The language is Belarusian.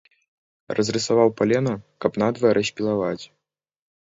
Разрысаваў палена, каб надвае распілаваць.